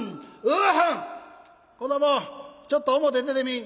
「子どもちょっと表へ出てみぃ。